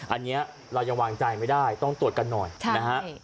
อันนี้เรายังวางใจไม่ได้ต้องตรวจกันหน่อยนะฮะ